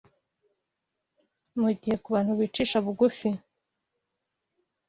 mu gihe ku bantu bicisha bugufi